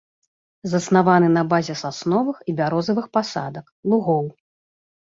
Заснаваны на базе сасновых і бярозавых пасадак, лугоў.